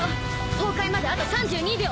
崩壊まであと３２秒！